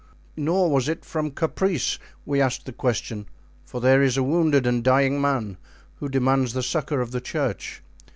Nor was it from caprice we asked the question, for there is a wounded and dying man who demands the succor of the church.